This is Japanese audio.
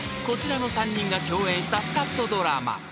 こちらの３人が共演したスカッとドラマ］